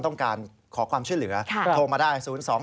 ต้องการขอความช่วยเหลือโทรมาได้๐๒